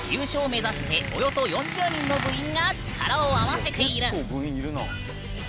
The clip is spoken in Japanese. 目指しておよそ４０人の部員が力を合わせている。